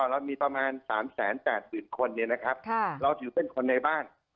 เรามีประมาณ๓๘๐๐๐คนเราถือเป็นคนในบ้าน